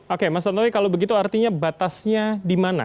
oke mas tantowi kalau begitu artinya batasnya di mana